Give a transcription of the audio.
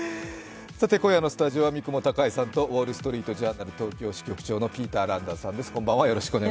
今夜のスタジオは三雲孝江さんとウォールストリート・ジャーナル東京支局長のピーター・ランダースさんです。